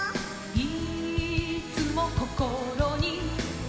「いーっつもこころに」